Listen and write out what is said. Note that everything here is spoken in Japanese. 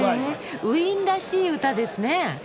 ウィーンらしい歌ですね。